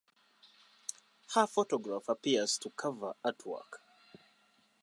Her photograph appears on the cover artwork.